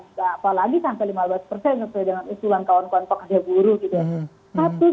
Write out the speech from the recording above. tidak apa lagi sampai lima belas persen seperti dengan usulan kawan kawan pak haji buru gitu ya